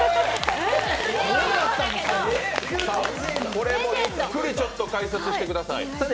これもゆっくり解説してください。